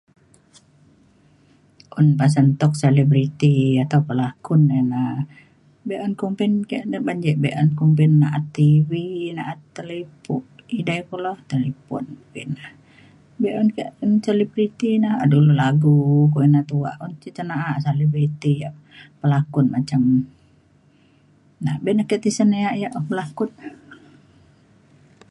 un pasen tok selebriti atau pelakun ni na be'un kumpin ke' [unintelligible] be'un kumpin na'at tv na'at talipun edai kulu talipun [unintelligible] be'un ke' un selebriti ne dulu lagu ko ina tua' un te cena'a selebriti ya' pelakun macam na be'un ke' tisen ya ya' belakun.